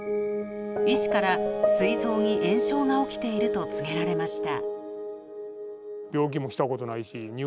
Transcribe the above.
医師からすい臓に炎症が起きていると告げられました。